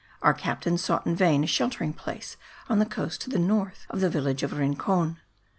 Our captain sought in vain a sheltering place on the coast to the north of the village of Rincon.